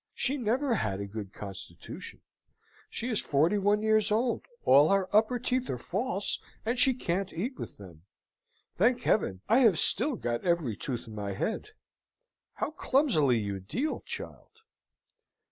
She never had a good constitution. She is forty one years old. All her upper teeth are false, and she can't eat with them. Thank Heaven, I have still got every tooth in my head. How clumsily you deal, child!"